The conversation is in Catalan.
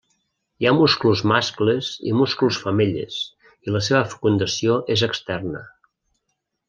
Hi ha musclos mascles i musclos femelles i la seva fecundació és externa.